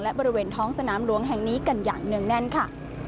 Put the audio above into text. และบริเวณท้องสนามหลวงแห่งนี้กันอย่างเนื่องแน่นค่ะ